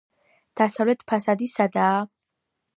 დასავლეთ ფასადი სადაა.